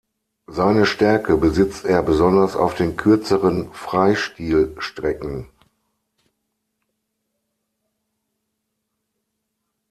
Seine Stärke besitzt er besonders auf den kürzeren Freistilstrecken.